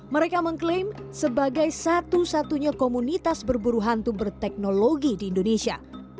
mereka mengklaim sebagai satu satunya komunitas berburu hantu berteknologi di indonesia